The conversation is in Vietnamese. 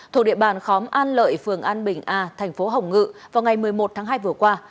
thuộc địa bàn khóm an lợi phường an bình a thành phố hồng ngự vào ngày một mươi một tháng hai vừa qua